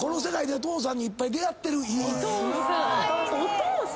お父さん？